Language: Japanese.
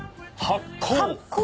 「発酵」！